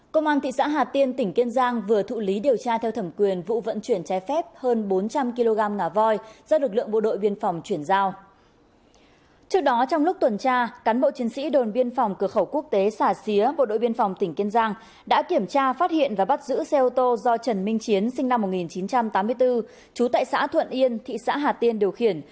các bạn hãy đăng ký kênh để ủng hộ kênh của chúng mình nhé